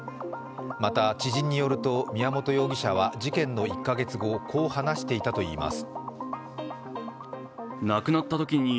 また知人によると宮本容疑者は事件の１か月後、こう話していたといいます。